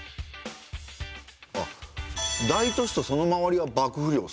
あっ大都市とその周りは幕府領っすね。